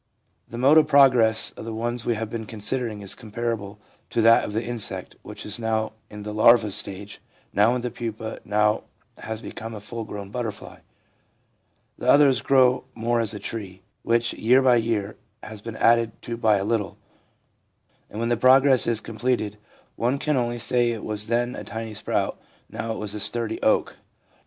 The mode of progress of the ones we have been considering is com parable to that of the insect, which is now in the larva stage, now in the pupa, and now has become a full grown butterfly. The others grow more as a tree, which year by year has been added to by a little ; and when the process is completed, one can only say it was then a tiny sprout, now it is a sturdy oak.